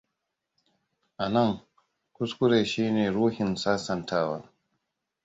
Anan, kuskure shine ruhin sasantawa.